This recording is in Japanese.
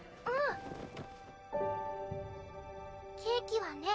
ケーキはね